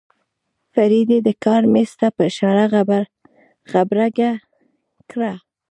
فريدې د کار مېز ته په اشاره غبرګه کړه.